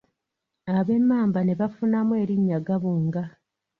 Ab'emmamba ne bafunamu erinnya Gabunga.